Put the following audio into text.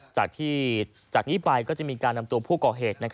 จากที่จากนี้ไปก็จะมีการนำตัวผู้ก่อเหตุ